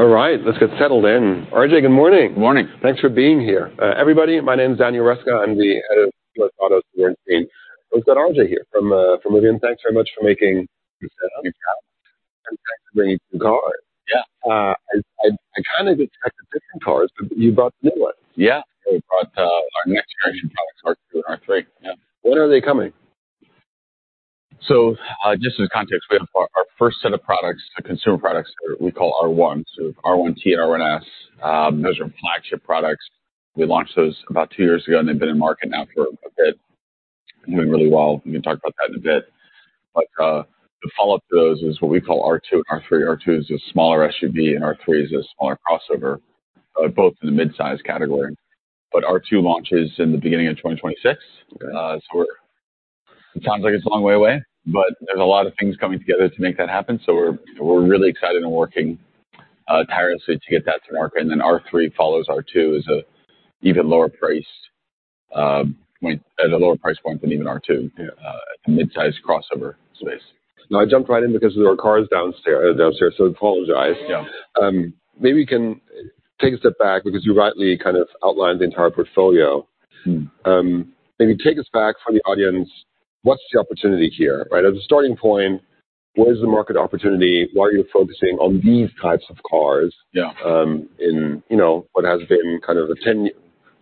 All right, let's get settled in. RJ, good morning. Good morning. Thanks for being here. Everybody, my name is Daniel Roeska. I'm the head of Bernstein's European Auto team. We've got RJ here from Rivian. Thanks very much for making this happen. Yeah. Thanks for bringing the car. Yeah. I kind of expected different cars, but you brought the new one. Yeah. We brought our next generation products, R2 and R3. Yeah. When are they coming? So, just as context, we have our, our first set of products, the consumer products, we call R1. So R1T, R1S, those are flagship products. We launched those about two years ago, and they've been in market now for a bit, and doing really well. We can talk about that in a bit. But, the follow-up to those is what we call R2 and R3. R2 is a smaller SUV, and R3 is a smaller crossover, both in the mid-size category. But R2 launches in the beginning of 2026. Okay. So it sounds like it's a long way away, but there's a lot of things coming together to make that happen. So we're really excited and working tirelessly to get that to market. And then R3 follows R2 at a lower price point than even R2. Yeah. - at the mid-size crossover space. Now, I jumped right in because there were cars downstairs, so I apologize. Yeah. Maybe you can take a step back because you rightly kind of outlined the entire portfolio. Mm. Maybe take us back for the audience, what's the opportunity here? Right as a starting point, what is the market opportunity? Why are you focusing on these types of cars? Yeah... in, you know, what has been kind of a 10,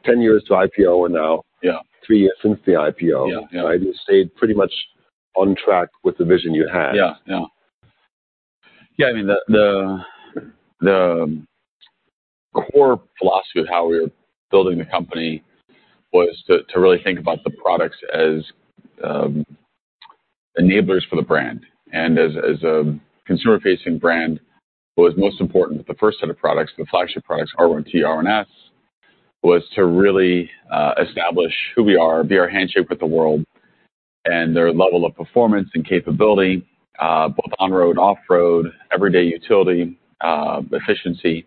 10 years to IPO and now- Yeah Three years since the IPO. Yeah, yeah. Right? You stayed pretty much on track with the vision you had. Yeah, yeah. Yeah, I mean, the core philosophy of how we were building the company was to really think about the products as enablers for the brand. And as a consumer-facing brand, what was most important with the first set of products, the flagship products, R1T, R1S, was to really establish who we are, be our handshake with the world, and their level of performance and capability both on-road and off-road, everyday utility, efficiency,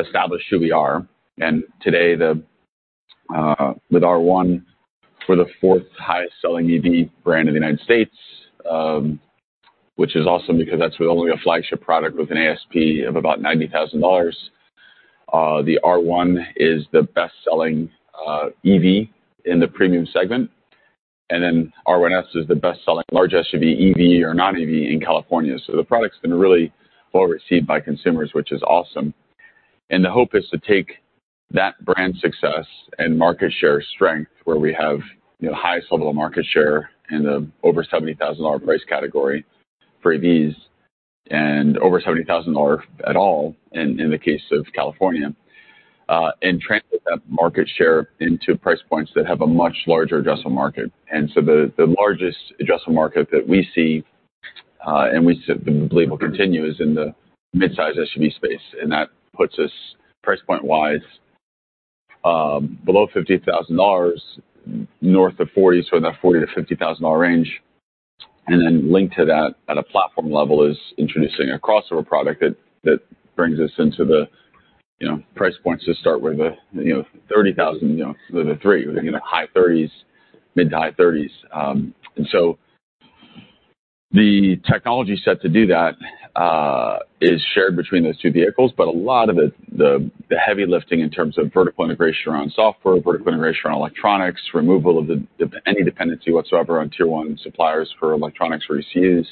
establish who we are. And today with R1, we're the fourth highest selling EV brand in the United States, which is awesome because that's with only a flagship product with an ASP of about $90,000. The R1 is the best-selling EV in the premium segment, and then R1S is the best-selling large SUV, EV or non-EV, in California. The product's been really well received by consumers, which is awesome. The hope is to take that brand success and market share strength, where we have, you know, highest level of market share in the over $70,000 price category for EVs, and over $70,000 at all in the case of California, and translate that market share into price points that have a much larger addressable market. The largest addressable market that we see, and we believe will continue, is in the mid-size SUV space, and that puts us, price point-wise, below $50,000, north of $40,000, so in that $40,000-$50,000 range. And then linked to that at a platform level is introducing a crossover product that brings us into the, you know, price points to start with $30,000, you know, the 30s, you know, high 30s, mid- to high 30s. And so the technology set to do that is shared between those two vehicles, but a lot of it, the heavy lifting in terms of vertical integration around software, vertical integration around electronics, removal of any dependency whatsoever on Tier 1 suppliers for electronics, for ECUs,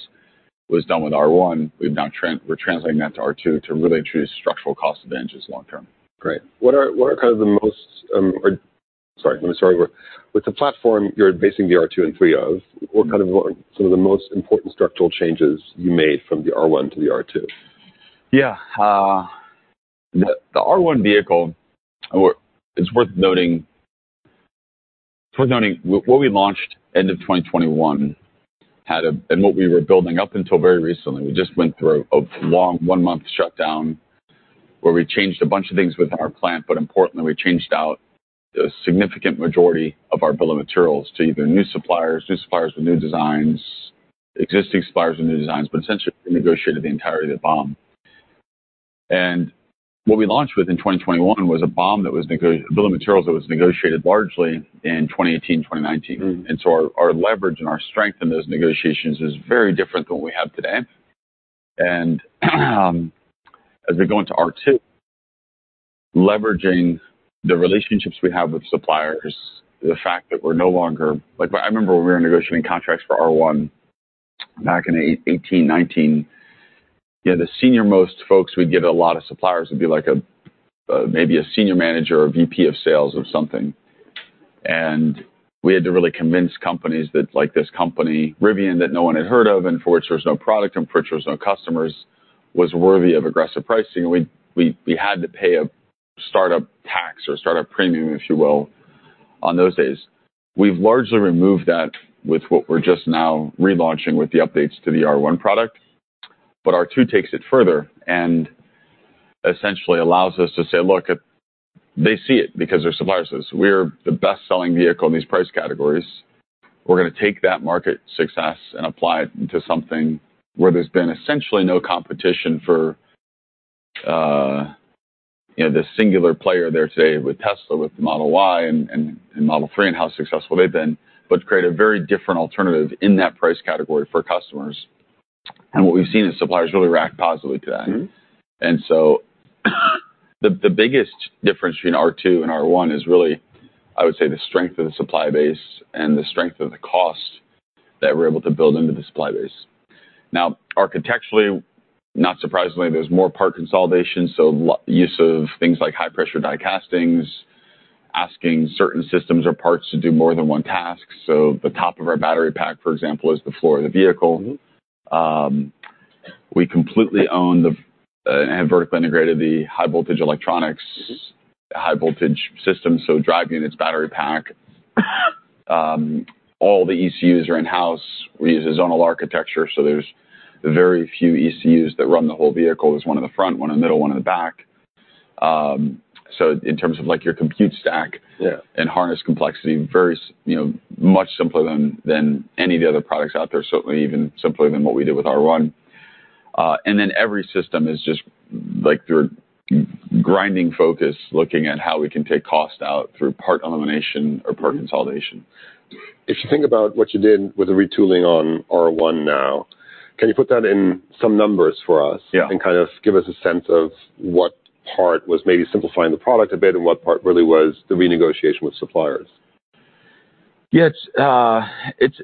was done with R1. We're now translating that to R2 to really achieve structural cost advantages long-term. Great! Sorry, let me start over. With the platform you're basing the R2 and R3 on, what were some of the most important structural changes you made from the R1 to the R2? Yeah, the R1 vehicle—it's worth noting what we launched end of 2021 had, and what we were building up until very recently, we just went through a long one-month shutdown, where we changed a bunch of things with our plant, but importantly, we changed out a significant majority of our bill of materials to either new suppliers with new designs, existing suppliers with new designs, but essentially negotiated the entirety of the BOM. And what we launched with in 2021 was a BOM that was negotiated—a bill of materials that was negotiated largely in 2018, 2019. Mm. And so our leverage and our strength in those negotiations is very different than what we have today. And, as we go into R2, leveraging the relationships we have with suppliers, the fact that we're no longer... Like, I remember when we were negotiating contracts for R1 back in 2018, 2019, you know, the senior-most folks we'd get a lot of suppliers would be like a, maybe a senior manager or VP of sales or something. And we had to really convince companies that, like, this company, Rivian, that no one had heard of, and for which there was no product and for which there was no customers, was worthy of aggressive pricing. We had to pay a startup tax or startup premium, if you will, on those days. We've largely removed that with what we're just now relaunching with the updates to the R1 product. But R2 takes it further and essentially allows us to say, "Look, at..." They see it because they're suppliers. So we're the best-selling vehicle in these price categories. We're gonna take that market success and apply it into something where there's been essentially no competition for, you know, the singular player there today with Tesla, with the Model Y and, and, and Model 3, and how successful they've been, but create a very different alternative in that price category for customers. And what we've seen is suppliers really react positively to that. Mm-hmm. And so the biggest difference between R2 and R1 is really, I would say, the strength of the supply base and the strength of the cost that we're able to build into the supply base. Now, architecturally, not surprisingly, there's more part consolidation, so the use of things like high-pressure die castings, asking certain systems or parts to do more than one task. So the top of our battery pack, for example, is the floor of the vehicle. Mm-hmm. We completely own the, and have vertically integrated the high-voltage electronics- Mm-hmm... high-voltage system, so drive units, battery pack. All the ECUs are in-house. We use a zonal architecture, so there's very few ECUs that run the whole vehicle. There's one in the front, one in the middle, one in the back. So in terms of, like, your compute stack- Yeah... and harness complexity, very, you know, much simpler than any of the other products out there, certainly even simpler than what we did with R1. And then every system is just like they're grinding focus, looking at how we can take cost out through part elimination or part consolidation. If you think about what you did with the retooling on R1 now, can you put that in some numbers for us? Yeah. Kind of give us a sense of what part was maybe simplifying the product a bit and what part really was the renegotiation with suppliers? Yeah, it's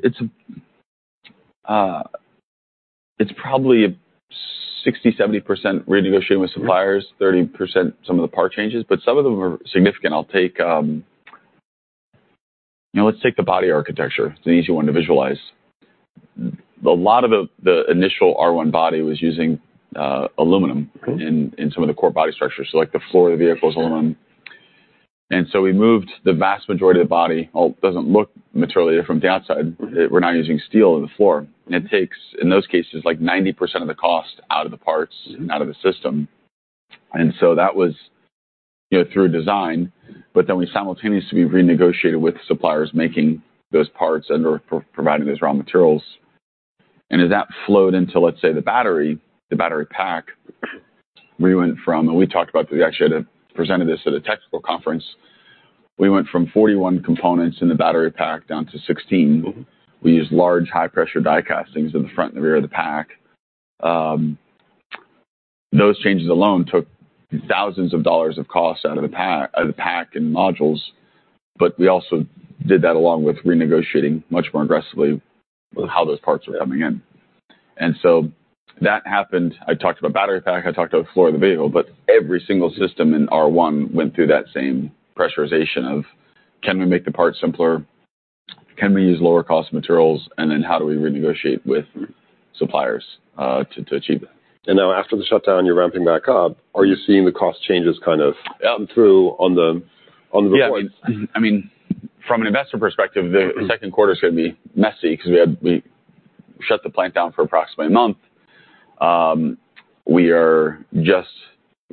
probably 60%-70% renegotiating with suppliers, 30% some of the part changes, but some of them are significant. I'll take. You know, let's take the body architecture. It's an easy one to visualize. A lot of the initial R1 body was using aluminum-... in some of the core body structures, so like the floor of the vehicle was aluminum. And so we moved the vast majority of the body, doesn't look materially different from the outside. We're now using steel in the floor. It takes, in those cases, like 90% of the cost out of the parts- Mm... and out of the system. And so that was, you know, through design, but then we simultaneously renegotiated with suppliers making those parts and/or providing those raw materials. And as that flowed into, let's say, the battery, the battery pack, we went from... And we talked about this. We actually had presented this at a technical conference. We went from 41 components in the battery pack down to 16. Mm-hmm. We used large, high-pressure die castings in the front and the rear of the pack. Those changes alone took thousands of dollars of cost out of the pack and modules, but we also did that along with renegotiating much more aggressively with how those parts were coming in. Yeah. That happened. I talked about battery pack, I talked about the floor of the vehicle, but every single system in R1 went through that same pressurization of, Can we make the parts simpler? Can we use lower-cost materials? Then, how do we renegotiate with suppliers, to achieve that? Now after the shutdown, you're ramping back up. Are you seeing the cost changes kind of out and through on the points? Yeah, I mean, from an investor perspective the second quarter is going to be messy because we had we shut the plant down for approximately a month. We are just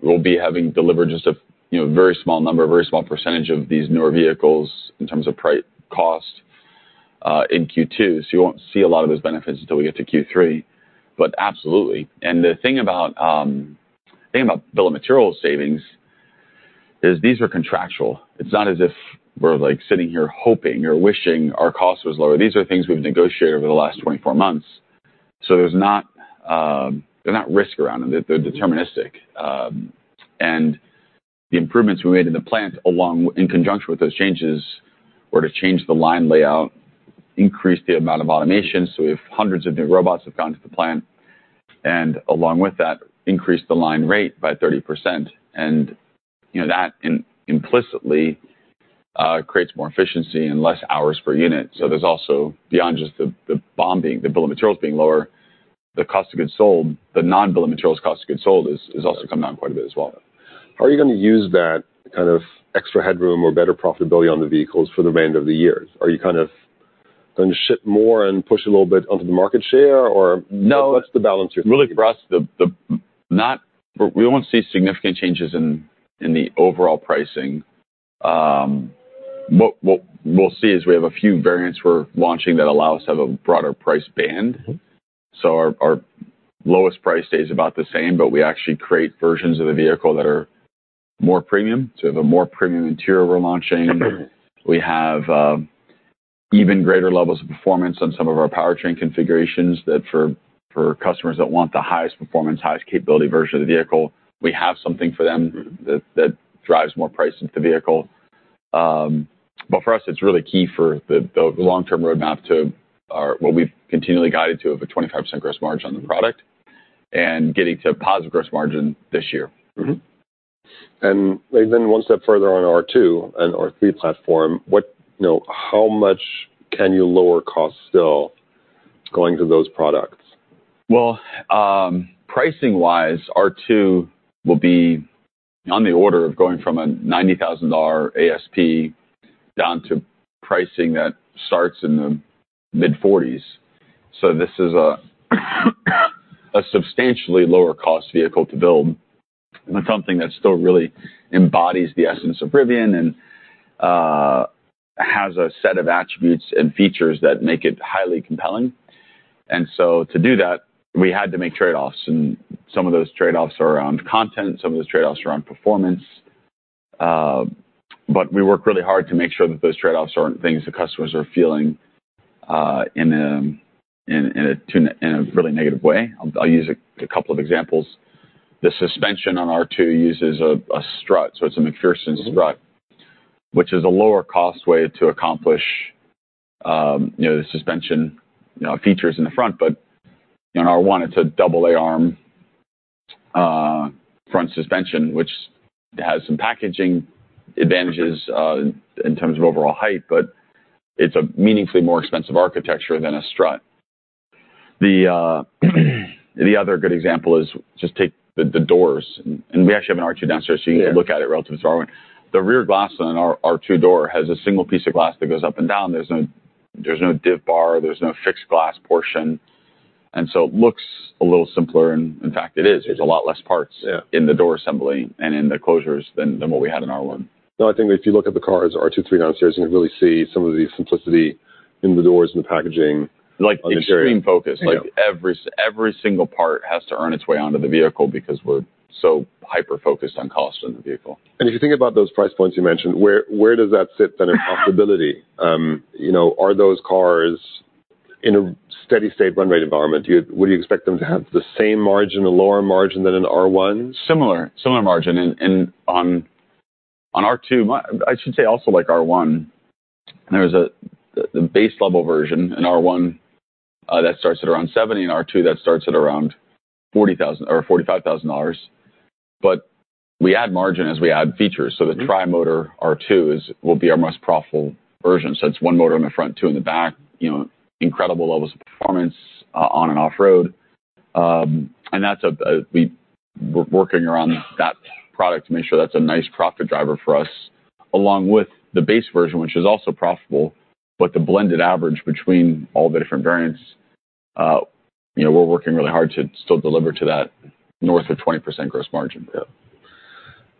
we'll be having delivered just a, you know, very small number, a very small percentage of these newer vehicles in terms of price cost in Q2. So you won't see a lot of those benefits until we get to Q3. But absolutely, and the thing about the thing about Bill of Materials savings is these are contractual. It's not as if we're, like, sitting here hoping or wishing our cost was lower. These are things we've negotiated over the last 24 months, so there's not there's not risk around them. They're deterministic. And the improvements we made in the plant, in conjunction with those changes, were to change the line layout, increase the amount of automation. So we have hundreds of new robots have gone to the plant, and along with that, increased the line rate by 30%. And, you know, that implicitly creates more efficiency and less hours per unit. So there's also, beyond just the BOM being, the Bill of Materials being lower, the cost of goods sold, the non-Bill of Materials cost of goods sold is also come down quite a bit as well. How are you going to use that kind of extra headroom or better profitability on the vehicles for the remainder of the year? Are you kind of going to ship more and push a little bit onto the market share, or- No... what's the balance here? Really, for us, we won't see significant changes in the overall pricing. What we'll see is we have a few variants we're launching that allow us to have a broader price band. Our lowest price stays about the same, but we actually create versions of the vehicle that are more premium. So we have a more premium interior we're launching. We have even greater levels of performance on some of our powertrain configurations that, for customers that want the highest performance, highest capability version of the vehicle, we have something for them- that drives more price into the vehicle. But for us, it's really key for the long-term roadmap to what we've continually guided to, of a 25% gross margin on the product and getting to a positive gross margin this year. And then one step further on R2 and R3 platform, what... You know, how much can you lower costs still going to those products? Well, pricing-wise, R2 will be on the order of going from a $90,000 ASP down to pricing that starts in the mid-$40,000s. So this is a substantially lower-cost vehicle to build, and something that still really embodies the essence of Rivian and has a set of attributes and features that make it highly compelling. And so to do that, we had to make trade-offs, and some of those trade-offs are around content, some of those trade-offs are around performance. But we work really hard to make sure that those trade-offs aren't things the customers are feeling in a really negative way. I'll use a couple of examples. The suspension on R2 uses a strut, so it's a MacPherson strut, which is a lower-cost way to accomplish, you know, the suspension, you know, features in the front. But in R1, it's a double A-arm front suspension, which has some packaging advantages in terms of overall height, but it's a meaningfully more expensive architecture than a strut. The other good example is just take the doors, and we actually have an R2 downstairs, so you can look at it relative to R1. The rear glass on an R2 door has a single piece of glass that goes up and down. There's no, there's no div bar, there's no fixed glass portion, and so it looks a little simpler, and in fact, it is. There's a lot less parts in the door assembly and in the closures than what we had in R1. No, I think if you look at the cars, R2, R3 downstairs, you can really see some of the simplicity in the doors and the packaging- Like, extreme focus. Like, every single part has to earn its way onto the vehicle because we're so hyper-focused on cost on the vehicle. If you think about those price points you mentioned, where does that sit then in profitability? You know, are those cars in a steady state run rate environment, would you expect them to have the same margin, a lower margin than an R1? Similar, similar margin. And on R2, I should say also like R1, there's the base level version, in R1, that starts at around $70,000, in R2, that starts at around $40,000 or $45,000 dollars. But we add margin as we add features. So the tri-motor R2s will be our most profitable version. It's one motor in the front, two in the back, you know, incredible levels of performance on and off-road. And that's, we're working around that product to make sure that's a nice profit driver for us, along with the base version, which is also profitable, but the blended average between all the different variants, you know, we're working really hard to still deliver to that north of 20% gross margin. Yeah.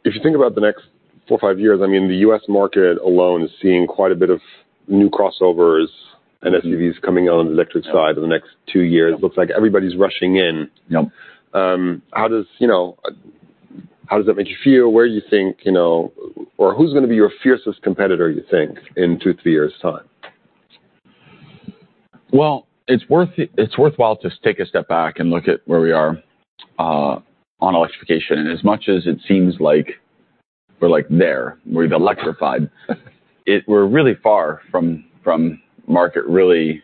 If you think about the next 4-5 years, I mean, the U.S. market alone is seeing quite a bit of new crossovers and SUVs coming out on the electric side in the next two years. Looks like everybody's rushing in. How does, you know, how does that make you feel? Where do you think, you know, or who's gonna be your fiercest competitor, you think, in two, three years' time? Well, it's worth it... It's worthwhile to take a step back and look at where we are on electrification. And as much as it seems like we're, like, there, we've electrified it. We're really far from market, really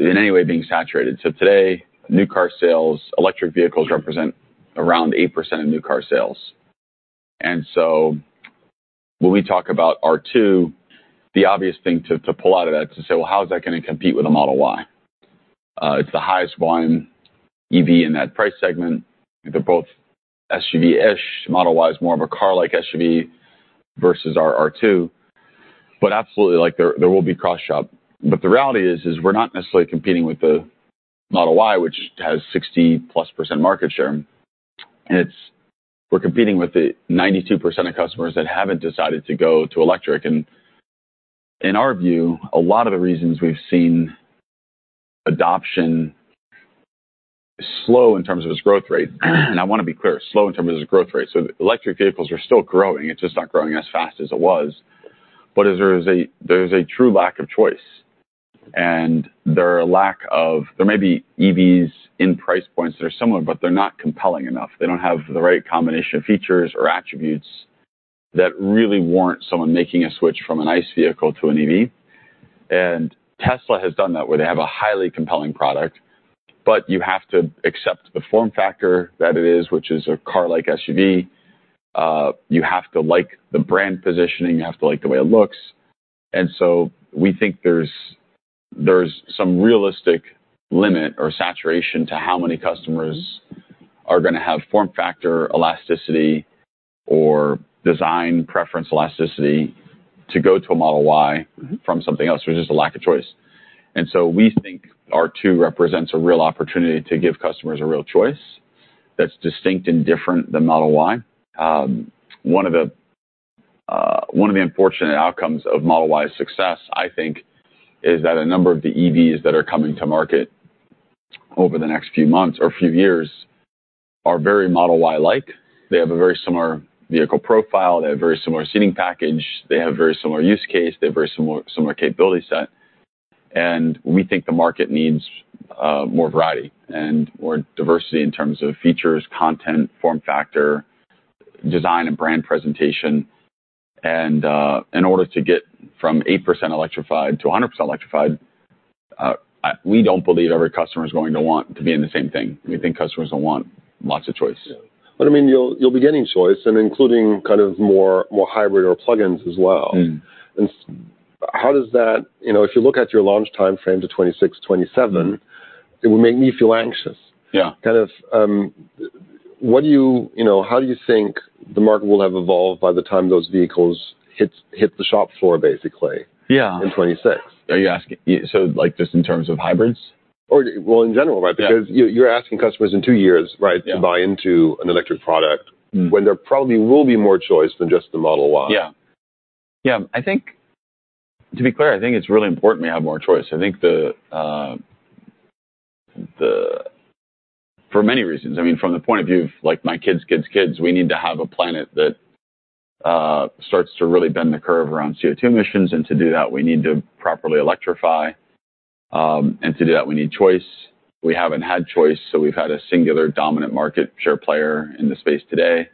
in any way, being saturated. So today, new car sales, electric vehicles represent around 8% of new car sales. And so when we talk about R2, the obvious thing to pull out of that is to say, "Well, how is that gonna compete with a Model Y?" It's the highest volume EV in that price segment. They're both SUV-ish. Model Y is more of a car-like SUV versus our R2, but absolutely, like, there will be cross-shop. But the reality is, we're not necessarily competing with the Model Y, which has 60%+ market share. We're competing with the 92% of customers that haven't decided to go to electric. And in our view, a lot of the reasons we've seen adoption slow in terms of its growth rate, and I want to be clear, slow in terms of its growth rate. So electric vehicles are still growing, it's just not growing as fast as it was. But there is a true lack of choice, and there are a lack of... There may be EVs in price points that are similar, but they're not compelling enough. They don't have the right combination of features or attributes that really warrant someone making a switch from an ICE vehicle to an EV. And Tesla has done that, where they have a highly compelling product, but you have to accept the form factor that it is, which is a car-like SUV. You have to like the brand positioning, you have to like the way it looks. And so we think there's some realistic limit or saturation to how many customers are gonna have form factor elasticity or design preference elasticity to go to a Model Y from something else, which is a lack of choice. And so we think R2 represents a real opportunity to give customers a real choice that's distinct and different than Model Y. One of the unfortunate outcomes of Model Y's success, I think, is that a number of the EVs that are coming to market over the next few months or few years are very Model Y-like. They have a very similar vehicle profile, they have very similar seating package, they have very similar use case, they have very similar capability set. And we think the market needs more variety and more diversity in terms of features, content, form factor, design, and brand presentation. In order to get from 8% electrified to 100% electrified, we don't believe every customer is going to want to be in the same thing. We think customers will want lots of choice. Yeah. But I mean, you'll, you'll be getting choice and including kind of more, more hybrid or plug-ins as well. How does that... You know, if you look at your launch timeframe to 2026, 2027. It would make me feel anxious. Kind of, what do you... You know, how do you think the market will have evolved by the time those vehicles hit the shop floor, basically?... in 2026? Are you asking, so, like, just in terms of hybrids?... Or, well, in general, right? Because you're asking customers in two years, right? to buy into an electric product. when there probably will be more choice than just the Model Y. Yeah. Yeah, I think, to be clear, I think it's really important we have more choice. I think the, for many reasons. I mean, from the point of view of, like, my kids, we need to have a planet that starts to really bend the curve around CO2 emissions, and to do that, we need to properly electrify. And to do that, we need choice. We haven't had choice, so we've had a singular dominant market share player in the space today.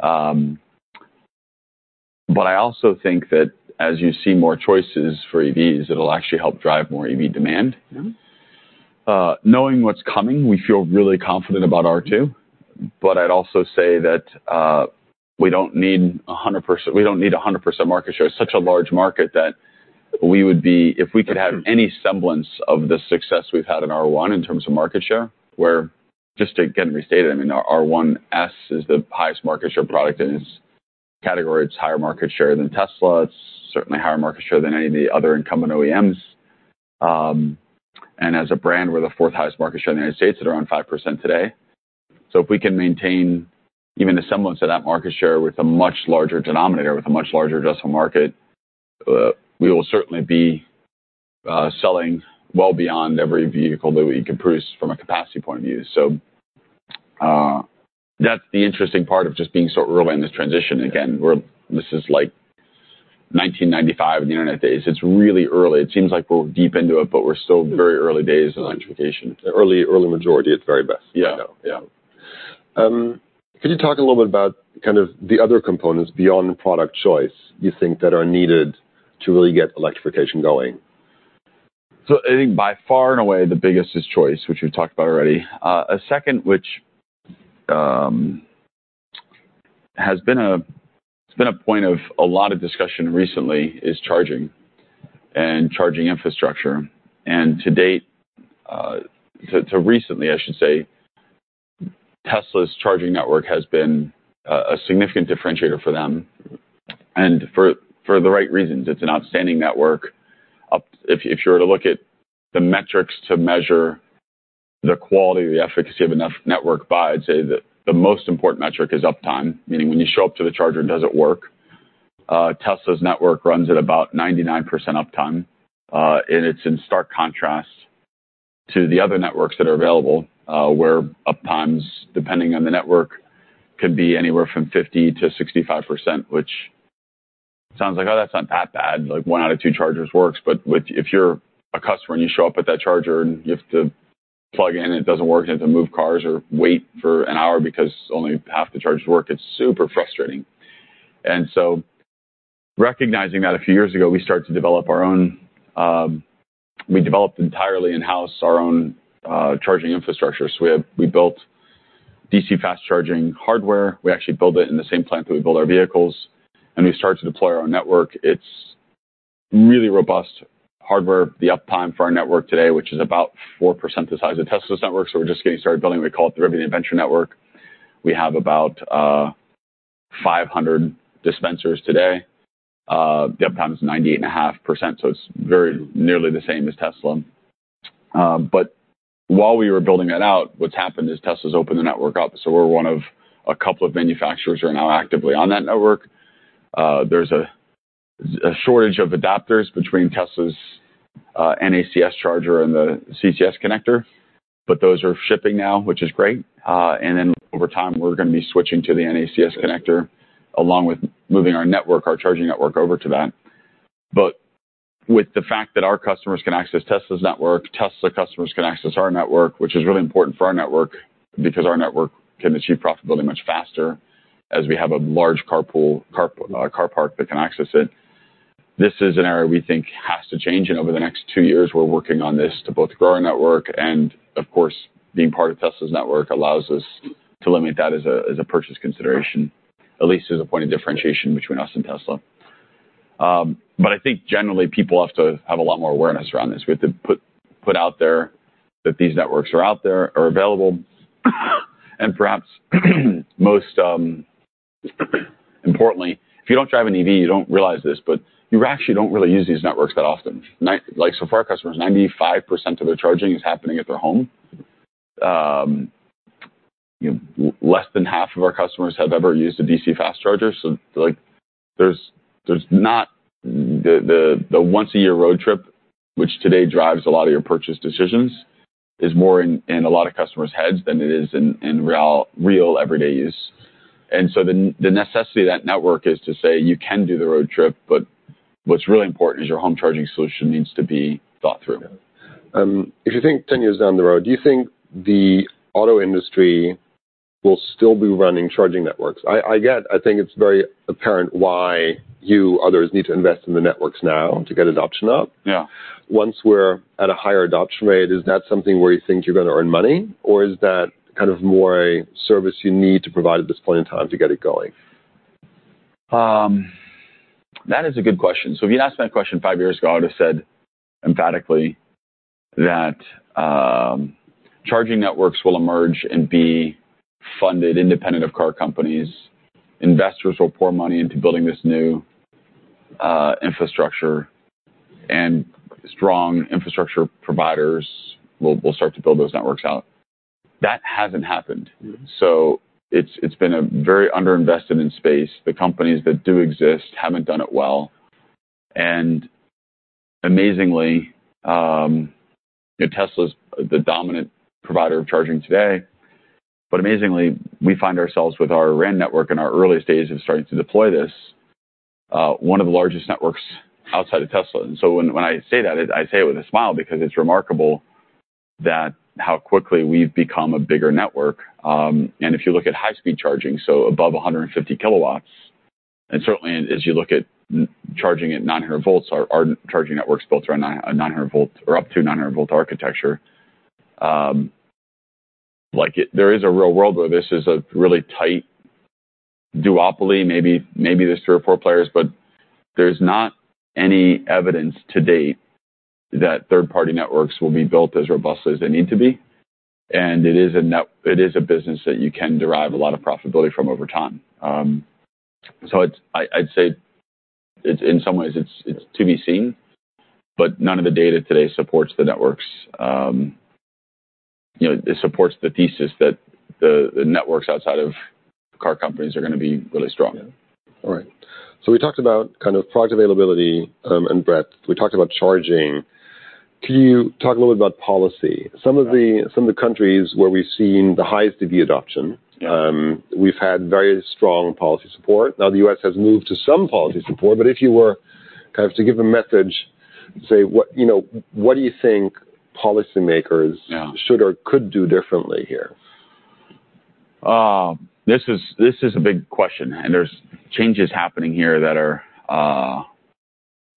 But I also think that as you see more choices for EVs, it'll actually help drive more EV demand. Knowing what's coming, we feel really confident about R2. But I'd also say that, we don't need 100%-- we don't need 100% market share. It's such a large market that we would be... If we could have any semblance of the success we've had in R1 in terms of market share, where, just to again restate it, I mean, our R1S is the highest market share product in its category. It's higher market share than Tesla. It's certainly higher market share than any of the other incumbent OEMs. And as a brand, we're the fourth highest market share in the United States at around 5% today. So if we can maintain even a semblance of that market share with a much larger denominator, with a much larger addressable market, we will certainly be selling well beyond every vehicle that we can produce from a capacity point of view. So, that's the interesting part of just being so early in this transition. Again, we're—this is like 1995 in the internet days. It's really early. It seems like we're deep into it, but we're still very early days in electrification. Early, early majority at the very best. Yeah. Yeah. Could you talk a little bit about kind of the other components beyond product choice you think that are needed to really get electrification going? So I think by far and away, the biggest is choice, which we've talked about already. A second, which has been, it's been a point of a lot of discussion recently is charging and charging infrastructure. And to date, so recently, I should say, Tesla's charging network has been a significant differentiator for them, and for the right reasons. It's an outstanding network. If you were to look at the metrics to measure the quality or the efficacy of a network by, I'd say that the most important metric is uptime, meaning when you show up to the charger, does it work? Tesla's network runs at about 99% uptime, and it's in stark contrast to the other networks that are available, where uptimes, depending on the network, could be anywhere from 50%-65%, which sounds like, Oh, that's not that bad, like, one out of two chargers works. But if you're a customer and you show up at that charger and you have to plug in, and it doesn't work, you have to move cars or wait for an hour because only half the chargers work, it's super frustrating. And so recognizing that a few years ago, we started to develop our own. We developed entirely in-house our own charging infrastructure. We built DC fast charging hardware. We actually build it in the same plant that we build our vehicles, and we start to deploy our own network. It's really robust hardware. The uptime for our network today, which is about 4% the size of Tesla's network, so we're just getting started building. We call it the Rivian Adventure Network. We have about 500 dispensers today. The uptime is 98.5%, so it's very nearly the same as Tesla. But while we were building that out, what's happened is Tesla's opened the network up, so we're one of a couple of manufacturers who are now actively on that network. There's a shortage of adapters between Tesla's NACS charger and the CCS connector, but those are shipping now, which is great. And then over time, we're gonna be switching to the NACS connector, along with moving our network, our charging network, over to that. But with the fact that our customers can access Tesla's network, Tesla customers can access our network, which is really important for our network because our network can achieve profitability much faster as we have a large carpool, car, car park that can access it. This is an area we think has to change, and over the next 2 years, we're working on this to both grow our network and, of course, being part of Tesla's network allows us to limit that as a, as a purchase consideration, at least as a point of differentiation between us and Tesla. But I think generally, people have to have a lot more awareness around this. We have to put out there that these networks are out there, are available, and perhaps most importantly, if you don't drive an EV, you don't realize this, but you actually don't really use these networks that often. Like, so far, customers, 95% of their charging is happening at their home. Less than half of our customers have ever used a DC fast charger, so, like, there's not... The once-a-year road trip, which today drives a lot of your purchase decisions, is more in a lot of customers' heads than it is in real everyday use. And so the necessity of that network is to say, you can do the road trip, but what's really important is your home charging solution needs to be thought through. If you think 10 years down the road, do you think the auto industry will still be running charging networks? I get, I think it's very apparent why you, others, need to invest in the networks now to get adoption up. Once we're at a higher adoption rate, is that something where you think you're gonna earn money, or is that kind of more a service you need to provide at this point in time to get it going? That is a good question. So if you'd asked me that question five years ago, I would have said emphatically that charging networks will emerge and be funded independent of car companies. Investors will pour money into building this infrastructure and strong infrastructure providers will start to build those networks out. That hasn't happened. So it's been a very underinvested in space. The companies that do exist haven't done it well. And amazingly, you know, Tesla's the dominant provider of charging today. But amazingly, we find ourselves with our RAN network in our earliest days of starting to deploy this one of the largest networks outside of Tesla. And so when I say that, I say it with a smile because it's remarkable that how quickly we've become a bigger network. And if you look at high-speed charging, so above 150 kW, and certainly as you look at charging at 900 volts, our charging networks built around 900-volt or up to 900-volt architecture. Like, there is a real world where this is a really tight duopoly. Maybe there's 3 or 4 players, but there's not any evidence to date that third-party networks will be built as robust as they need to be. And it is a business that you can derive a lot of profitability from over time. So I'd say it's, in some ways, it's to be seen, but none of the data today supports the networks. You know, it supports the thesis that the networks outside of car companies are gonna be really strong. Yeah. All right. So we talked about kind of product availability, and breadth. We talked about charging. Can you talk a little bit about policy? Some of the- Some of the countries where we've seen the highest EV adoption. We've had very strong policy support. Now, the U.S. has moved to some policy support, but if you were kind of to give a message, say, what, you know, what do you think policymakers should or could do differently here? This is a big question, and there's changes happening here that are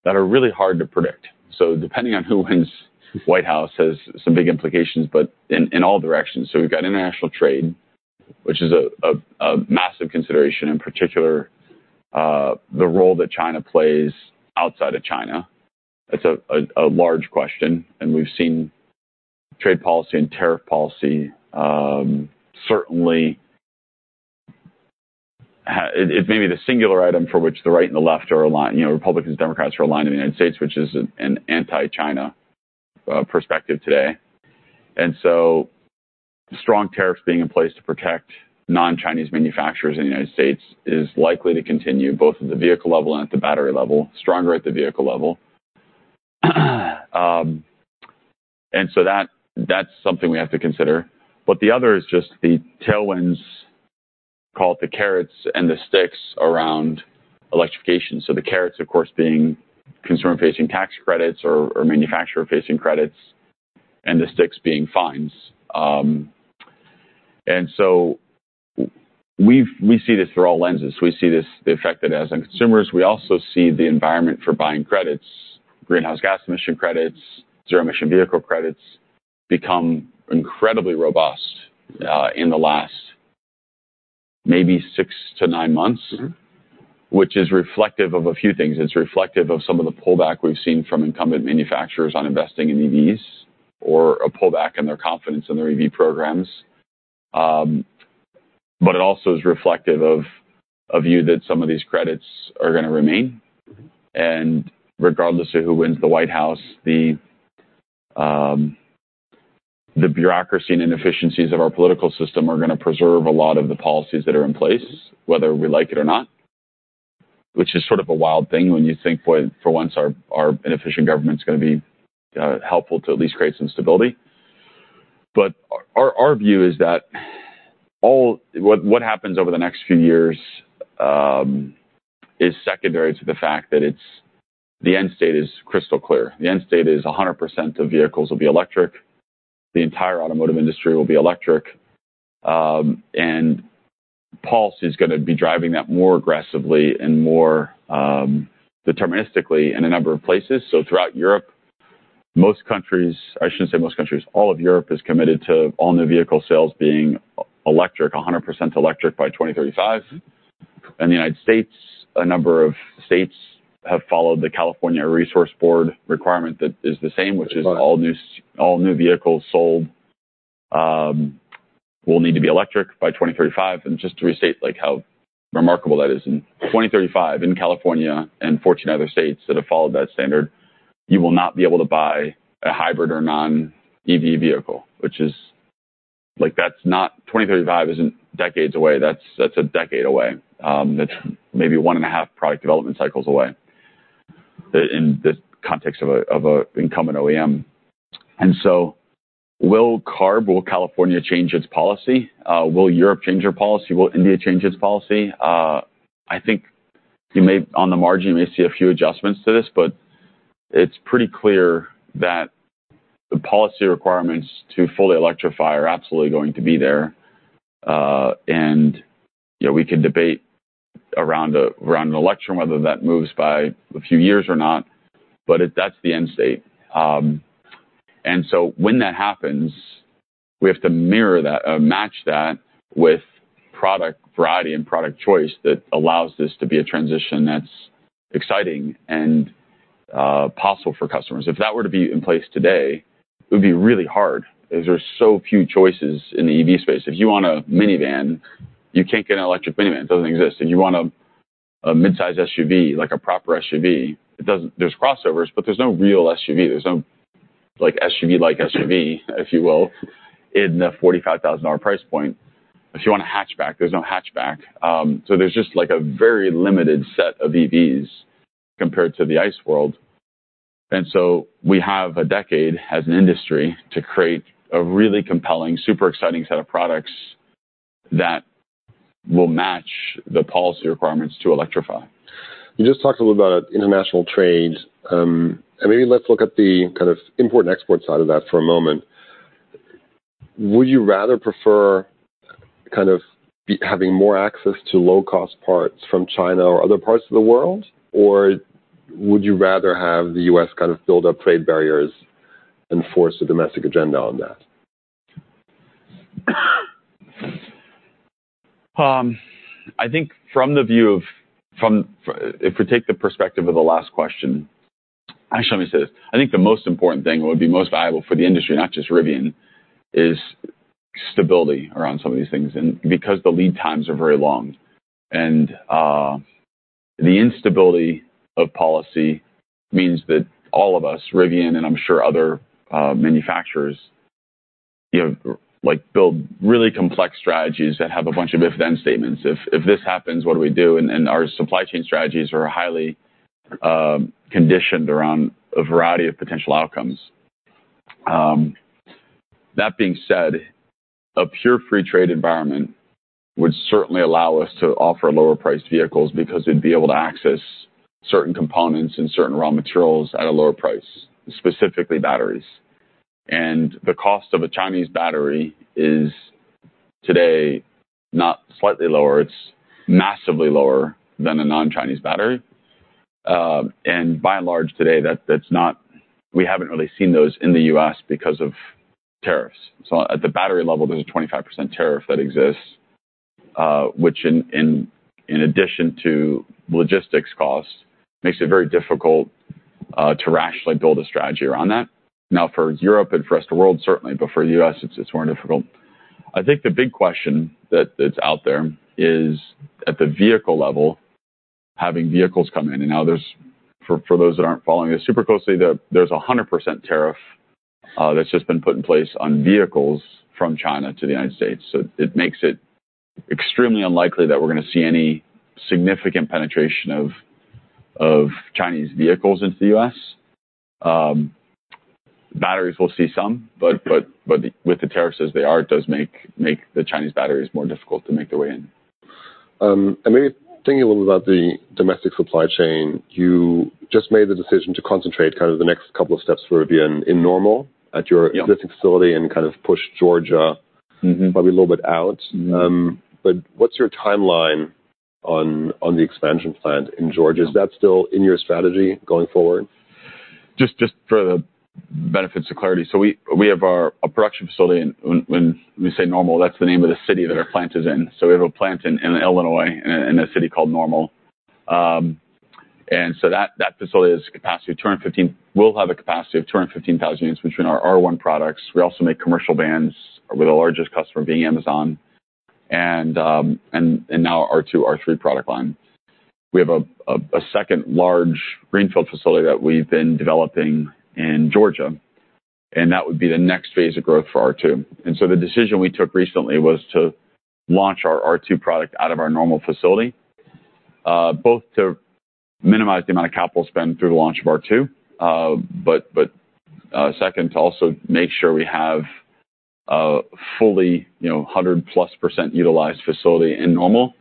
really hard to predict. So depending on who wins, White House has some big implications, but in all directions. So we've got international trade, which is a massive consideration, in particular, the role that China plays outside of China. It's a large question, and we've seen trade policy and tariff policy, certainly, It may be the singular item for which the right and the left are aligned, you know, Republicans, Democrats are aligned in the United States, which is an anti-China perspective today. And so strong tariffs being in place to protect non-Chinese manufacturers in the United States is likely to continue both at the vehicle level and at the battery level, stronger at the vehicle level. And so that, that's something we have to consider. But the other is just the tailwinds, call it the carrots and the sticks around electrification. So the carrots, of course, being consumer-facing tax credits or manufacturer-facing credits, and the sticks being fines. And so we see this through all lenses. We see this, the effect that has on consumers, we also see the environment for buying credits, greenhouse gas emission credits, zero-emission vehicle credits, become incredibly robust, in the last maybe six to nine months. Which is reflective of a few things. It's reflective of some of the pullback we've seen from incumbent manufacturers on investing in EVs, or a pullback in their confidence in their EV programs. But it also is reflective of a view that some of these credits are gonna remain. And regardless of who wins the White House, the bureaucracy and inefficiencies of our political system are gonna preserve a lot of the policies that are in place, whether we like it or not, which is sort of a wild thing when you think for once, our inefficient government's gonna be helpful to at least create some stability. But our view is that all... What happens over the next few years is secondary to the fact that it's the end state is crystal clear. The end state is 100% of vehicles will be electric, the entire automotive industry will be electric, and policy is gonna be driving that more aggressively and more deterministically in a number of places. So throughout Europe, most countries... I shouldn't say most countries, all of Europe is committed to all new vehicle sales being electric, 100% electric by 2035. In the United States, a number of states have followed the California Air Resources Board requirement that is the same, which is all new vehicles sold will need to be electric by 2035. And just to restate, like, how remarkable that is. In 2035, in California and 14 other states that have followed that standard, you will not be able to buy a hybrid or non-EV vehicle, which is... Like, that's not- 2035 isn't decades away. That's, that's a decade away. That's maybe one and a half product development cycles away, in the context of an incumbent OEM. And so will CARB, will California change its policy? Will Europe change their policy? Will India change its policy? I think you may, on the margin, you may see a few adjustments to this, but it's pretty clear that the policy requirements to fully electrify are absolutely going to be there. And, you know, we could debate around an election, whether that moves by a few years or not, but that's the end state. And so when that happens, we have to mirror that, match that with product variety and product choice that allows this to be a transition that's exciting and possible for customers. If that were to be in place today... It would be really hard, as there are so few choices in the EV space. If you want a minivan, you can't get an electric minivan. It doesn't exist, and you want a midsize SUV, like a proper SUV, it doesn't. There's crossovers, but there's no real SUV. There's no, like, SUV-like SUV, if you will, in the $45,000 price point. If you want a hatchback, there's no hatchback. So there's just, like, a very limited set of EVs compared to the ICE world. So we have a decade as an industry to create a really compelling, super exciting set of products that will match the policy requirements to electrify. You just talked a little about international trade. Maybe let's look at the kind of import and export side of that for a moment. Would you rather prefer kind of having more access to low-cost parts from China or other parts of the world? Or would you rather have the U.S. kind of build up trade barriers and force a domestic agenda on that? I think if we take the perspective of the last question. Actually, let me say this. I think the most important thing, what would be most valuable for the industry, not just Rivian, is stability around some of these things, and because the lead times are very long. And the instability of policy means that all of us, Rivian, and I'm sure other manufacturers, you know, like, build really complex strategies that have a bunch of if/then statements. If this happens, what do we do? And our supply chain strategies are highly conditioned around a variety of potential outcomes. That being said, a pure free trade environment would certainly allow us to offer lower priced vehicles because we'd be able to access certain components and certain raw materials at a lower price, specifically batteries. The cost of a Chinese battery is, today, not slightly lower; it's massively lower than a non-Chinese battery. And by and large, today, that's not—we haven't really seen those in the U.S. because of tariffs. So at the battery level, there's a 25% tariff that exists, which, in addition to logistics costs, makes it very difficult to rationally build a strategy around that. Now, for Europe and for the rest of the world, certainly, but for the U.S., it's more difficult. I think the big question that's out there is, at the vehicle level, having vehicles come in, and now there's... For those that aren't following this super closely, there's a 100% tariff that's just been put in place on vehicles from China to the United States. It makes it extremely unlikely that we're gonna see any significant penetration of Chinese vehicles into the U.S. Batteries, we'll see some, but with the tariffs as they are, it does make the Chinese batteries more difficult to make their way in. And maybe thinking a little about the domestic supply chain, you just made the decision to concentrate kind of the next couple of steps for Rivian in Normal, at your existing facility, and kind of push Georgia- - probably a little bit out. What's your timeline on the expansion plant in Georgia? Is that still in your strategy going forward? Just for the benefits of clarity, so we have our production facility in—when we say Normal, that's the name of the city that our plant is in, so we have a plant in Illinois, in a city called Normal. And so that facility will have a capacity of 215,000 units between our R1 products. We also make commercial vans, with the largest customer being Amazon, and now our R2, R3 product line. We have a second large greenfield facility that we've been developing in Georgia, and that would be the next phase of growth for R2. The decision we took recently was to launch our R2 product out of our Normal facility, both to minimize the amount of capital spend through the launch of R2, but second, to also make sure we have a fully, you know, 100%+ utilized facility in Normal,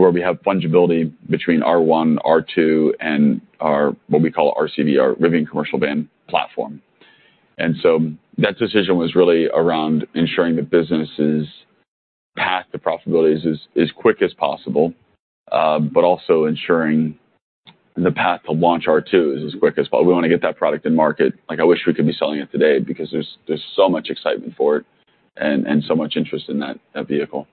where we have fungibility between R1, R2, and our, what we call RCV, our Rivian Commercial Van platform. That decision was really around ensuring the business's path to profitability is as quick as possible, but also ensuring the path to launch R2 is as quick as possible. We want to get that product in market. Like, I wish we could be selling it today because there's so much excitement for it and so much interest in that vehicle.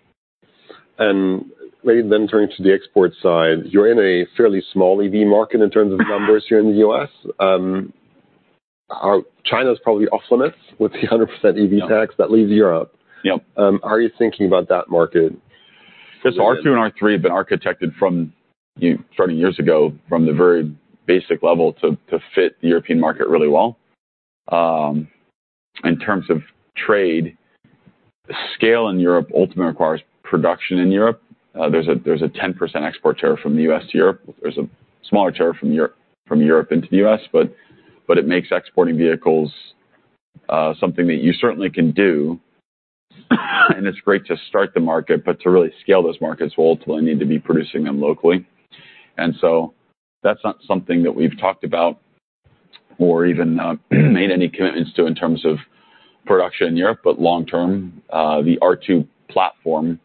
Maybe then turning to the export side, you're in a fairly small EV market in terms of numbers here in the US. China's probably off limits with the 100% EV tax. That leaves Europe. Yep. How are you thinking about that market? So R2 and R3 have been architected from, you know, starting years ago, from the very basic level, to fit the European market really well. In terms of trade, scale in Europe ultimately requires production in Europe. There's a 10% export tariff from the U.S. to Europe. There's a smaller tariff from Europe into the U.S., but it makes exporting vehicles something that you certainly can do, and it's great to start the market, but to really scale those markets, we'll ultimately need to be producing them locally. And so that's not something that we've talked about or even made any commitments to in terms of production in Europe, but long term, the R2 platform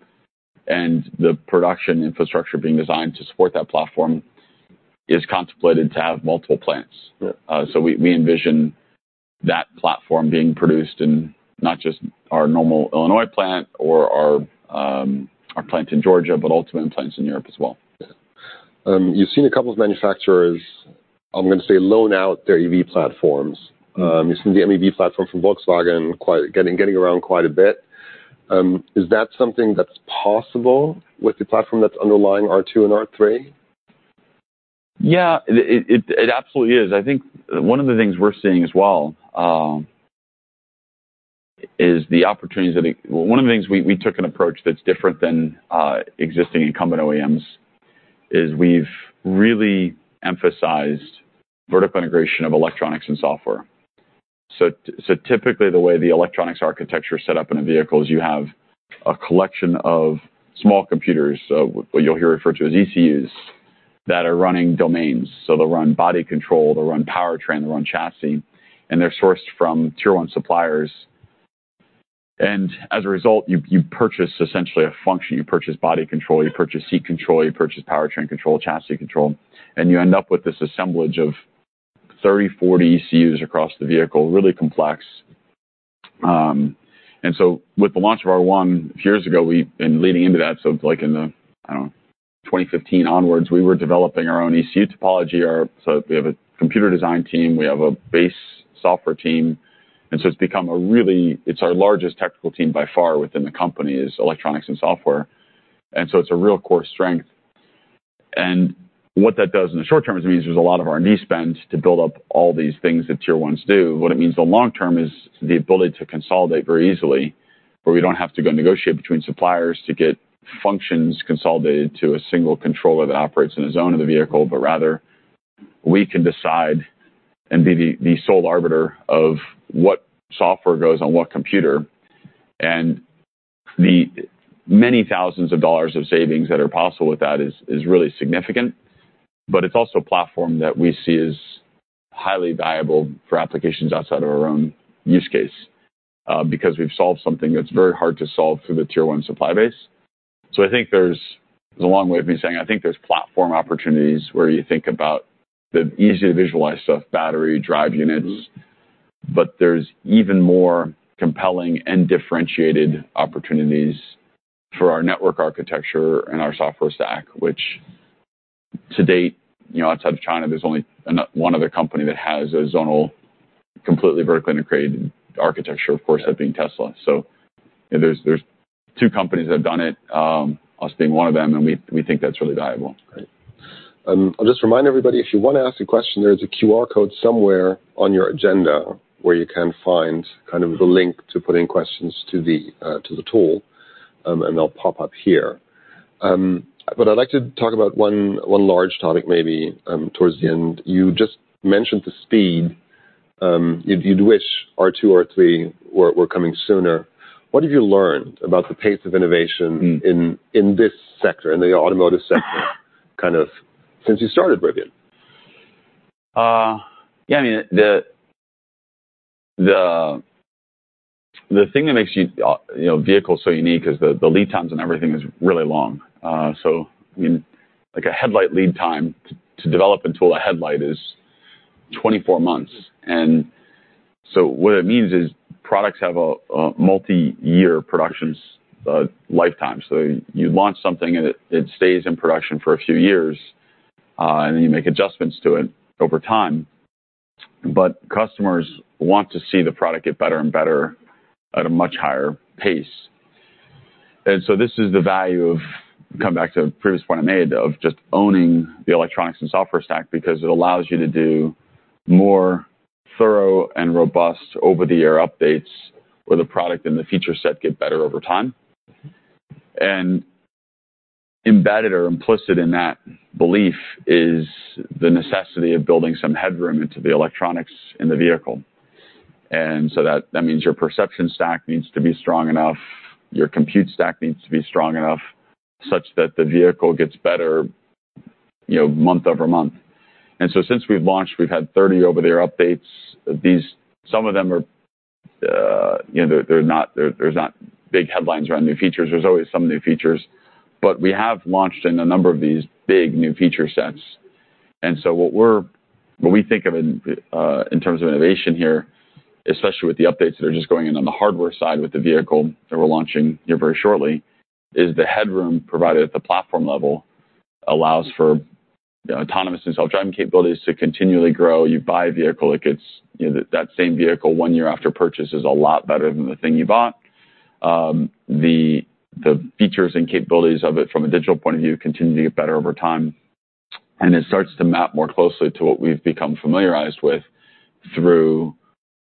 and the production infrastructure being designed to support that platform is contemplated to have multiple plants. So we envision that platform being produced in not just our Normal, Illinois plant or our plant in Georgia, but ultimately in plants in Europe as well. You've seen a couple of manufacturers, I'm gonna say, loan out their EV platforms. You've seen the MEB platform from Volkswagen getting around quite a bit. Is that something that's possible with the platform that's underlying R2 and R3? Yeah, it absolutely is. I think one of the things we're seeing as well, is the opportunities that it—Well, one of the things we took an approach that's different than existing incumbent OEMs, is we've really emphasized vertical integration of electronics and software. So, typically, the way the electronics architecture is set up in a vehicle is you have a collection of small computers, what you'll hear referred to as ECUs, that are running domains. So they'll run body control, they'll run powertrain, they'll run chassis, and they're sourced from Tier 1 suppliers. And as a result, you purchase essentially a function. You purchase body control, you purchase seat control, you purchase powertrain control, chassis control, and you end up with this assemblage of 30, 40 ECUs across the vehicle. Really complex. And so with the launch of R1 years ago, and leading into that, so, like, in the, I don't know, 2015 onwards, we were developing our own ECU topology. So we have a computer design team, we have a base software team, and so it's become a really... It's our largest technical team by far within the company, is electronics and software, and so it's a real core strength. And what that does in the short term is it means there's a lot of R&D spend to build up all these things that Tier 1s do. What it means in the long term is the ability to consolidate very easily, where we don't have to go negotiate between suppliers to get functions consolidated to a single controller that operates in a zone of the vehicle. But rather, we can decide and be the sole arbiter of what software goes on what computer. And the many thousands of dollars of savings that are possible with that is really significant. But it's also a platform that we see as highly valuable for applications outside of our own use case, because we've solved something that's very hard to solve through the Tier 1 supply base. So I think there's a long way of me saying, I think there's platform opportunities where you think about the easy to visualize stuff, battery, drive units, but there's even more compelling and differentiated opportunities for our network architecture and our software stack, which to date, you know, outside of China, there's only one other company that has a zonal, completely vertically integrated architecture, of course, that being Tesla. So there's two companies that have done it, us being one of them, and we think that's really valuable. Great. I'll just remind everybody, if you want to ask a question, there is a QR code somewhere on your agenda where you can find kind of the link to put in questions to the, to the tool, and they'll pop up here. But I'd like to talk about one large topic maybe, towards the end. You just mentioned the speed, you'd wish R2, R3 were coming sooner. What have you learned about the pace of innovation? in this sector, in the automotive sector, kind of, since you started Rivian? Yeah, I mean, the thing that makes you, you know, vehicles so unique is the lead times on everything is really long. So, I mean, like a headlight lead time to develop and tool a headlight is 24 months. And so what it means is products have a multi-year production lifetime. So you launch something and it stays in production for a few years, and then you make adjustments to it over time. But customers want to see the product get better and better at a much higher pace. And so this is the value of, come back to a previous point I made, of just owning the electronics and software stack, because it allows you to do more thorough and robust over-the-air updates, where the product and the feature set get better over time. Embedded or implicit in that belief is the necessity of building some headroom into the electronics in the vehicle. So that means your perception stack needs to be strong enough, your compute stack needs to be strong enough, such that the vehicle gets better, you know, month-over-month. So since we've launched, we've had 30 over-the-air updates. These—some of them are, you know, they're not—there's not big headlines around new features. There's always some new features, but we have launched in a number of these big new feature sets. And so what we think of in terms of innovation here, especially with the updates that are just going in on the hardware side with the vehicle that we're launching here very shortly, is the headroom provided at the platform level allows for autonomous and self-driving capabilities to continually grow. You buy a vehicle, it gets... You know, that same vehicle, one year after purchase, is a lot better than the thing you bought. The features and capabilities of it from a digital point of view continue to get better over time, and it starts to map more closely to what we've become familiarized with through,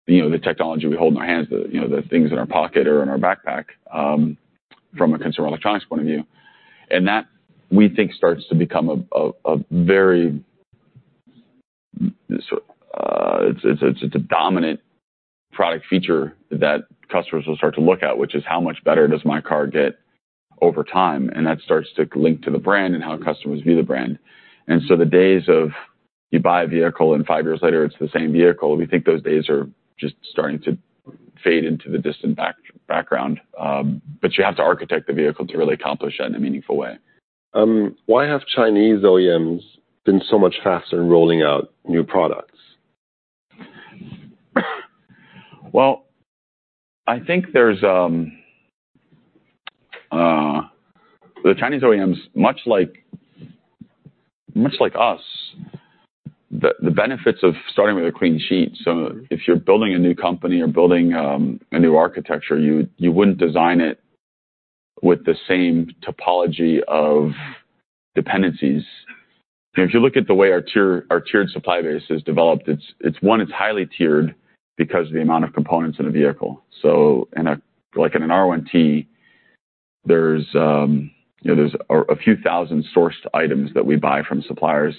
you know, the technology we hold in our hands, the, you know, the things in our pocket or in our backpack, from a consumer electronics point of view. That, we think, starts to become a very, it's a dominant product feature that customers will start to look at, which is: How much better does my car get over time? And that starts to link to the brand and how customers view the brand. And so the days of you buy a vehicle, and five years later, it's the same vehicle, we think those days are just starting to fade into the distant background. But you have to architect the vehicle to really accomplish that in a meaningful way. Why have Chinese OEMs been so much faster in rolling out new products?... Well, I think there's the Chinese OEMs, much like, much like us, the, the benefits of starting with a clean sheet. So if you're building a new company or building a new architecture, you, you wouldn't design it with the same topology of dependencies. If you look at the way our tier, our tiered supply base is developed, it's, it's one, it's highly tiered because of the amount of components in a vehicle. So in a—like in an R1T, there's you know, there's a, a few thousand sourced items that we buy from suppliers,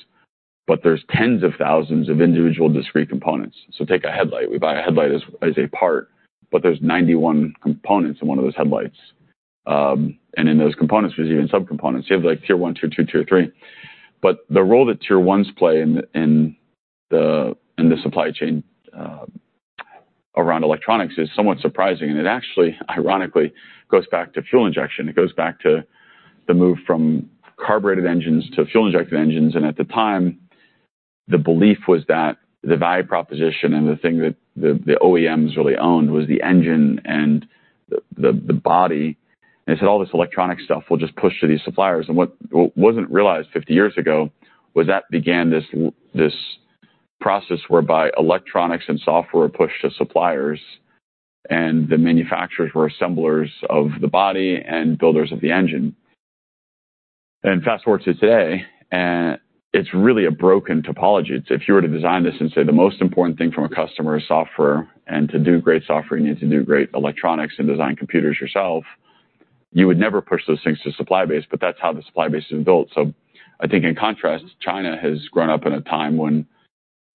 but there's tens of thousands of individual discrete components. So take a headlight. We buy a headlight as, as a part, but there's 91 components in one of those headlights. And in those components, there's even subcomponents. You have, like, tier one, tier two, tier three. But the role that Tier 1s play in the supply chain around electronics is somewhat surprising, and it actually, ironically, goes back to fuel injection. It goes back to the move from carbureted engines to fuel-injected engines, and at the time, the belief was that the value proposition and the thing that the OEMs really owned was the engine and the body. And they said, "All this electronic stuff, we'll just push to these suppliers." And what wasn't realized fifty years ago was that began this process whereby electronics and software were pushed to suppliers, and the manufacturers were assemblers of the body and builders of the engine. And fast-forward to today, it's really a broken topology. It's if you were to design this and say the most important thing from a customer is software, and to do great software, you need to do great electronics and design computers yourself, you would never push those things to supply base, but that's how the supply base is built. So I think in contrast, China has grown up in a time when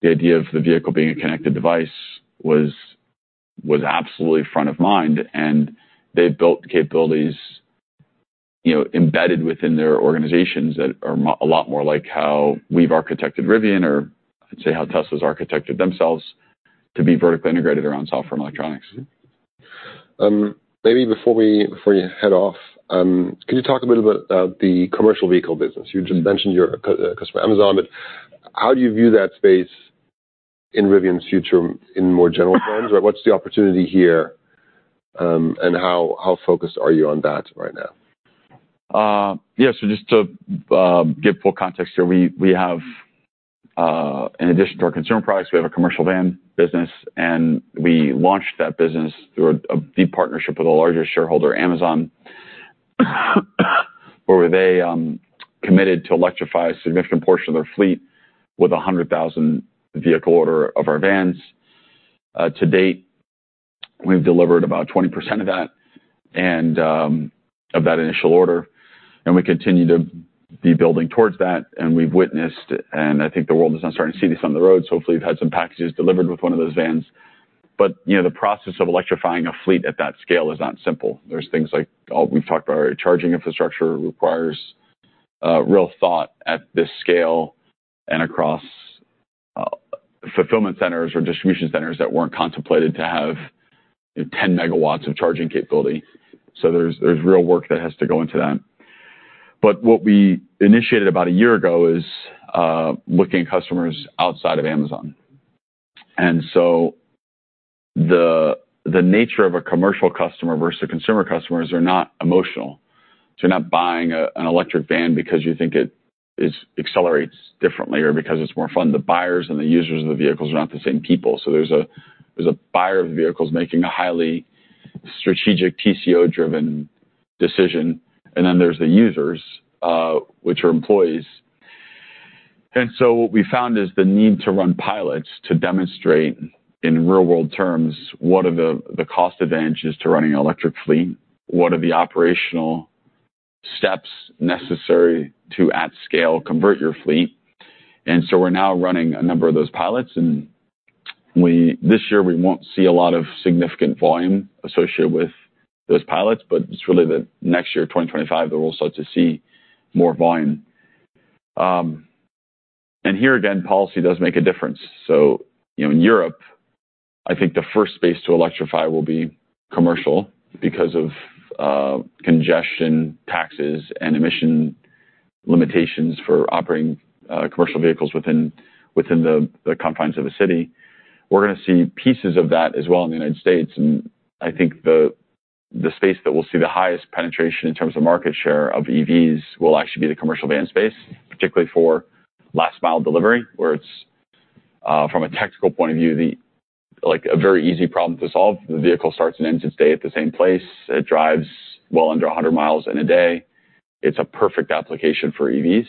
the idea of the vehicle being a connected device was absolutely front of mind, and they've built capabilities, you know, embedded within their organizations that are a lot more like how we've architected Rivian or, let's say, how Tesla's architected themselves to be vertically integrated around software and electronics. Maybe before we, before you head off, could you talk a little bit about the commercial vehicle business? You just mentioned your customer, Amazon, but how do you view that space in Rivian's future in more general terms? Or what's the opportunity here, and how focused are you on that right now? Yeah, so just to give full context here, we have, in addition to our consumer products, we have a commercial van business, and we launched that business through a deep partnership with our larger shareholder, Amazon, where they committed to electrify a significant portion of their fleet with a 100,000 vehicle order of our vans. To date, we've delivered about 20% of that and of that initial order, and we continue to be building towards that, and we've witnessed, and I think the world is now starting to see this on the road, so hopefully, we've had some packages delivered with one of those vans. But, you know, the process of electrifying a fleet at that scale is not simple. There's things like all we've talked about already. Charging infrastructure requires real thought at this scale and across fulfillment centers or distribution centers that weren't contemplated to have 10 MW of charging capability. So there's real work that has to go into that. But what we initiated about a year ago is looking at customers outside of Amazon. And so the nature of a commercial customer versus a consumer customers are not emotional. So you're not buying an electric van because you think it accelerates differently or because it's more fun. The buyers and the users of the vehicles are not the same people. So there's a buyer of the vehicles making a highly strategic, TCO-driven decision, and then there's the users which are employees. And so what we found is the need to run pilots to demonstrate, in real-world terms, what are the cost advantages to running an electric fleet? What are the operational steps necessary to, at scale, convert your fleet? And so we're now running a number of those pilots, and we, this year, we won't see a lot of significant volume associated with those pilots, but it's really the next year, 2025, that we'll start to see more volume. And here, again, policy does make a difference. So, you know, in Europe, I think the first space to electrify will be commercial because of congestion, taxes, and emission limitations for operating commercial vehicles within the confines of a city. We're gonna see pieces of that as well in the United States, and I think the space that we'll see the highest penetration in terms of market share of EVs will actually be the commercial van space, particularly for last-mile delivery, where it's from a technical point of view, the like, a very easy problem to solve. The vehicle starts and ends its day at the same place. It drives well under 100 miles in a day. It's a perfect application for EVs.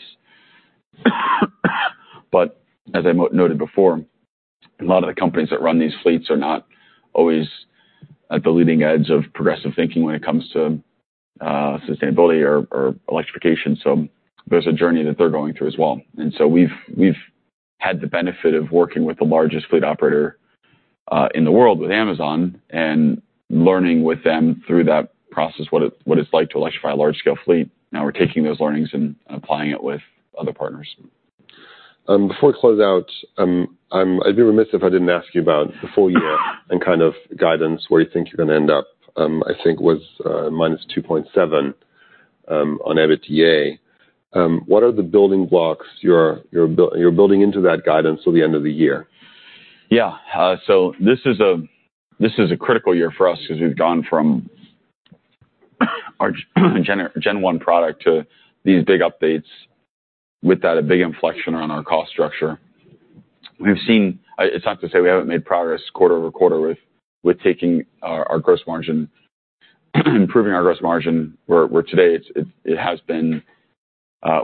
But as I noted before, a lot of the companies that run these fleets are not always at the leading edge of progressive thinking when it comes to sustainability or electrification, so there's a journey that they're going through as well. So we've had the benefit of working with the largest fleet operator in the world, with Amazon, and learning with them through that process what it's like to electrify a large-scale fleet. Now we're taking those learnings and applying it with other partners. Before we close out, I'd be remiss if I didn't ask you about the full year and kind of guidance, where you think you're gonna end up. I think was -2.7 on EBITDA. What are the building blocks you're building into that guidance till the end of the year? Yeah. So this is a, this is a critical year for us because we've gone from our gen one product to these big updates, without a big inflection around our cost structure. We've seen. It's not to say we haven't made progress quarter over quarter with taking our gross margin, improving our gross margin, where today it has been,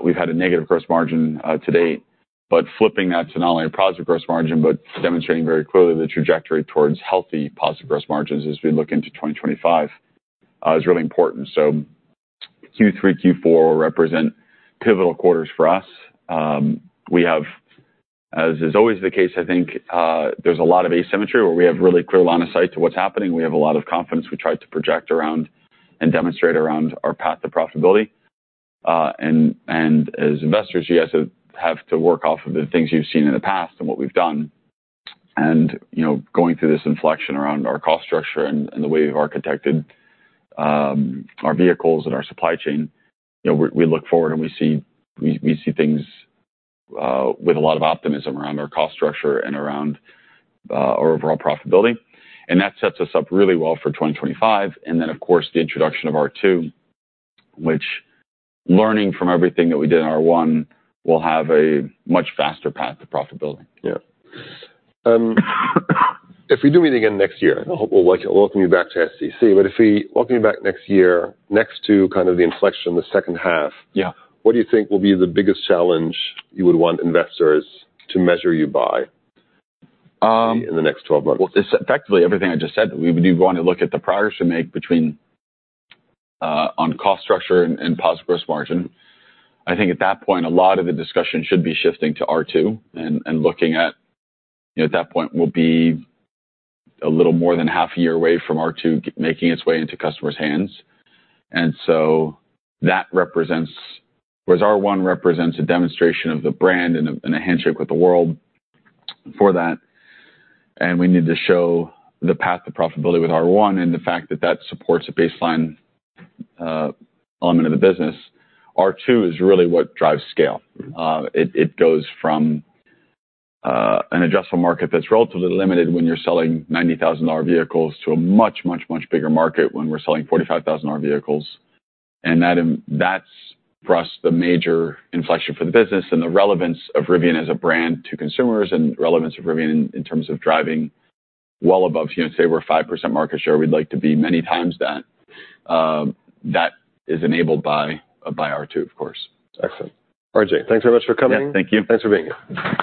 we've had a negative gross margin to date. But flipping that to not only a positive gross margin, but demonstrating very clearly the trajectory towards healthy, positive gross margins as we look into 2025, is really important. So Q3, Q4 represent pivotal quarters for us. We have, as is always the case, I think, there's a lot of asymmetry, where we have really clear line of sight to what's happening. We have a lot of confidence. We try to project around and demonstrate around our path to profitability. And as investors, you guys have to work off of the things you've seen in the past and what we've done. And, you know, going through this inflection around our cost structure and the way we've architected our vehicles and our supply chain, you know, we look forward, and we see things with a lot of optimism around our cost structure and around our overall profitability, and that sets us up really well for 2025. And then, of course, the introduction of R2, which learning from everything that we did in R1, will have a much faster path to profitability. Yeah. If we do meet again next year, I hope we'll welcome you back to SDC, but if we welcome you back next year, next to kind of the inflection in the second half- Yeah. What do you think will be the biggest challenge you would want investors to measure you by in the next 12 months? Well, effectively, everything I just said, we would go on and look at the progress we make between on cost structure and positive gross margin. I think at that point, a lot of the discussion should be shifting to R2 and looking at, you know, at that point, we'll be a little more than half a year away from R2 making its way into customers' hands. And so that represents, whereas R1 represents a demonstration of the brand and a handshake with the world for that, and we need to show the path to profitability with R1 and the fact that that supports a baseline element of the business. R2 is really what drives scale. It goes from an addressable market that's relatively limited when you're selling $90,000 vehicles to a much, much, much bigger market when we're selling $45,000 vehicles. That's, for us, the major inflection for the business and the relevance of Rivian as a brand to consumers and relevance of Rivian in terms of driving well above, you know, say, we're a 5% market share. We'd like to be many times that. That is enabled by R2, of course. Excellent. RJ, thanks very much for coming. Yeah, thank you. Thanks for being here.